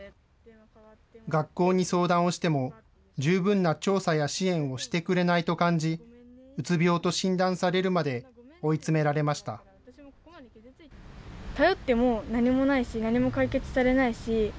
学校に相談をしても、十分な調査や支援をしてくれないと感じ、うつ病と診断されるまで追い詰められました。